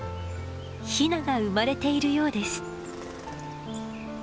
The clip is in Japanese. ヒナが生まれているようです。